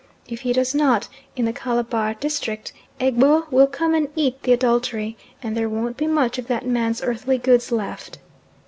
If he does not, in the Calabar district, Egbo will come and "eat the adultery," and there won't be much of that man's earthly goods left.